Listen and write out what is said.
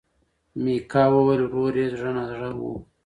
میکا وویل ورور یې زړه نا زړه و.